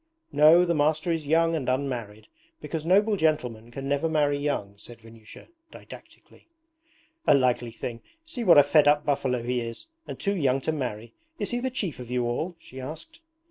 'No. The master is young and unmarried, because noble gentlemen can never marry young,' said Vanyusha didactically. 'A likely thing! See what a fed up buffalo he is and too young to marry! Is he the chief of you all?' she asked.